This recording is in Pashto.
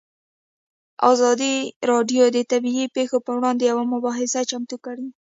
ازادي راډیو د طبیعي پېښې پر وړاندې یوه مباحثه چمتو کړې.